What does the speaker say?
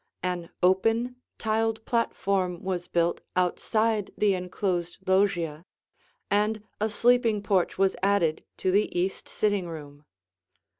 An open, tiled platform was built outside the enclosed loggia, and a sleeping porch was added to the east sitting room.